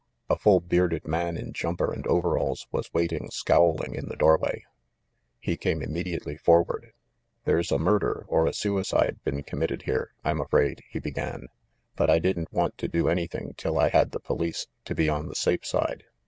A full bearded man in jumper and overalls was waiting scowling in the doorway. He came immediately forward. "There's a murder or a suicide been committed here, I'm afraid," he began; "but I didn't want to do any thing1 till I had the police, to be on the safe side.